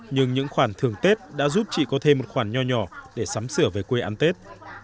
nhưng những khoản thường tết đã giúp chị có thêm một khoản nhỏ nhỏ để sắm sửa về quê ăn tết